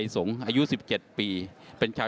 สวัสดีครับ